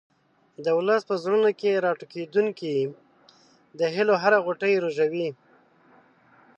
د ولس په زړونو کې راټوکېدونکې د هیلو هره غوټۍ رژوي.